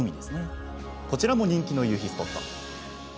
こちらも人気の夕日スポットです。